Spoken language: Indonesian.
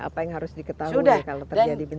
apa yang harus diketahui